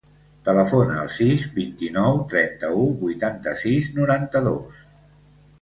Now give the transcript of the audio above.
Telefona al sis, vint-i-nou, trenta-u, vuitanta-sis, noranta-dos.